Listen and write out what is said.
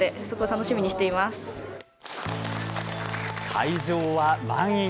会場は満員。